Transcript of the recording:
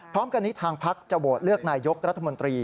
พร้อมกันนี้ทางพักจะโหวตเลือกนายกรัฐมนตรี